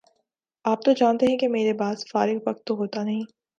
آپ تو جانتے ہیں کہ میرے باس فارغ وقت تو ہوتا نہیں